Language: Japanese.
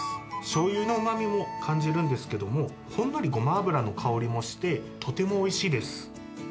しょうゆのうまみも感じるんですけれども、ほんのりごま油の香りもして、とてもおいしいです。